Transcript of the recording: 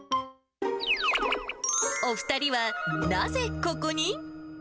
お２人はなぜここに？